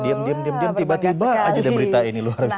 diam diam diam diam tiba tiba aja ada berita ini luar biasa